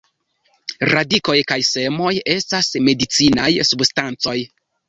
Radikoj kaj semoj estas medicinaj substancoj.